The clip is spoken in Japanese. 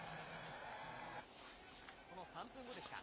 その３分後でした。